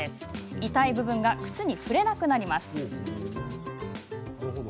痛い部分が靴に触れなくなります。